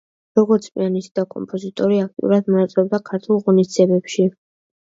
როგორც პიანისტი და კომპოზიტორი, აქტიურად მონაწილეობდა ქართულ ღონისძიებებში.